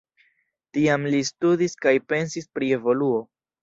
Tiam li studis kaj pensis pri evoluo.